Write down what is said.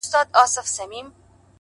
څومره چي يې مينه كړه؛